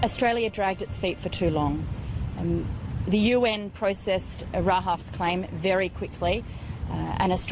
ในบางก็กเพราะฉะนั้นอุณหาศิลปิศาสตร์